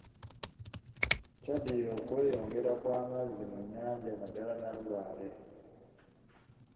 Kyaddirira okweyongera kwa amazzi mu nnyanja naddala Nalubaale